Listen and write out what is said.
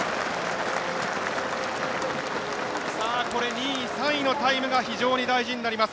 ２位、３位のタイムが非常に大事になります。